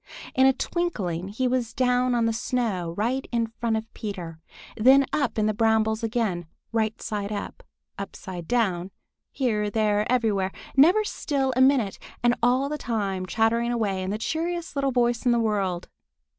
In a twinkling he was down on the snow right in front of Peter, then up in the brambles again, right side up, upside down, here, there, everywhere, never still a minute, and all the time chattering away in the cheeriest little voice in the world.